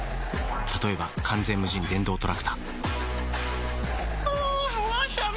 例えば完全無人電動トラクタあぁわさび。